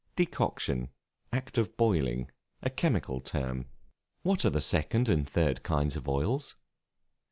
Decoction, act of boiling a chemical term. What are the second and third kinds of Oils?